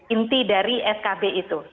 inti dari skb itu